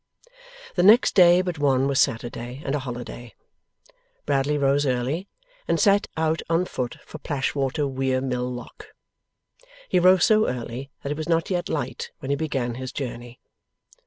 The next day but one was Saturday, and a holiday. Bradley rose early, and set out on foot for Plashwater Weir Mill Lock. He rose so early that it was not yet light when he began his journey.